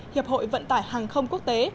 hiệp hội vận tải hàng không quốc tế